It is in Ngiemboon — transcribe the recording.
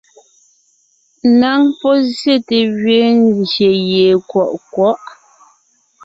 Ŋaŋ pɔ́ zsyète gẅiin gyè gie kwɔʼ kwɔ̌'.